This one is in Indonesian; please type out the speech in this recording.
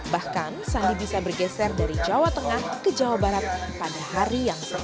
bahkan sandi bisa bergeser dari jawa tengah ke jawa barat pada hari yang sama